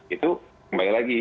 itu kembali lagi